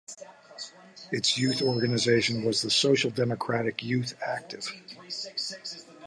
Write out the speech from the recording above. Its youth organisation was the Social Democratic Youth Active.